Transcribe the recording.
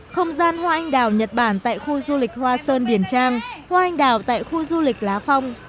không gian hoa anh đào nhật bản tại khu du lịch hoa sơn điển trang hoa anh đào tại khu du lịch lá phong